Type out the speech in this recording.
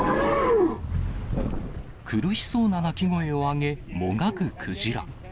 苦しそうな鳴き声を上げ、もがくクジラ。